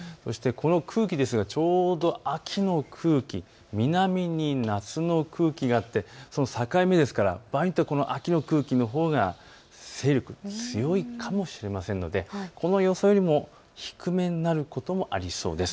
空気ですがちょうど秋の空気、南に夏の空気があってその境目ですから秋の空気のほうが勢力が強いかもしれませんのでこの予想よりも低めになることもありそうです。